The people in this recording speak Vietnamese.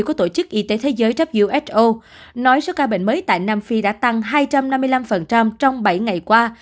của tổ chức y tế thế giới who nói số ca bệnh mới tại nam phi đã tăng hai trăm năm mươi năm trong bảy ngày qua